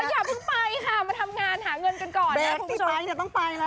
โอ้อย่าเพิ่งไปค่ะมาทำงานหาเงินกันก่อนนะคุณผู้ชม